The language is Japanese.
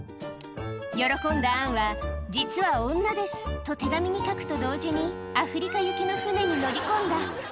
喜んだアンは、実は女ですと手紙に書くと同時に、アフリカ行きの船に乗り込んだ。